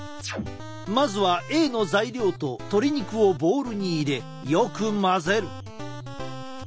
まずはＡの材料と鶏肉をボウルに入れよく混ぜる。